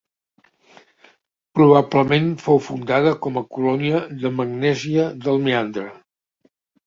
Probablement fou fundada com a colònia de Magnèsia del Meandre.